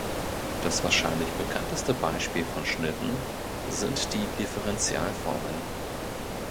Das wahrscheinlich bekannteste Beispiel von Schnitten sind die Differentialformen.